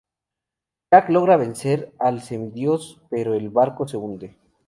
Jack logra vencer al semidiós, pero el barco se hunde.